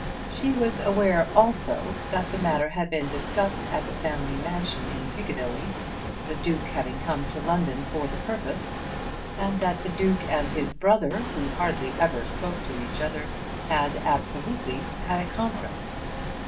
She was aware also that the matter had been discussed at the family mansion in Piccadilly, the Duke having come up to London for the purpose, and that the Duke and his brother, who hardly ever spoke to each other, had absolutely had a conference.